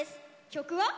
曲は。